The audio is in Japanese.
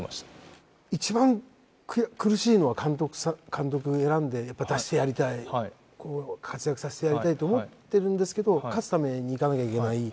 監督選んでやっぱり出してやりたい活躍させてやりたいと思ってるんですけど勝つためにいかなきゃいけない。